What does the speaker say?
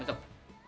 ya ya masuk